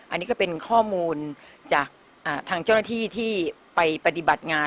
อันนี้ก็เป็นข้อมูลจากทางเจ้าหน้าที่ที่ไปปฏิบัติงาน